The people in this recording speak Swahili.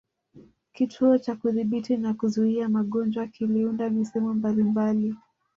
Kituo cha Kudhibiti na Kuzuia magonjwa kiliunda misemo mbalimbali